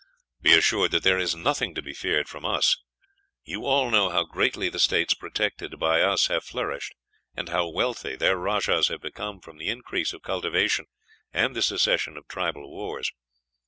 "Be assured that there is nothing to be feared from us. You all know how greatly the States protected by us have flourished and how wealthy their rajahs have become from the increase of cultivation and the cessation of tribal wars.